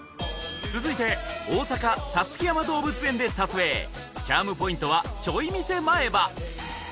続いて大阪・五月山動物園で撮影チャームポイントはちょい見せ前歯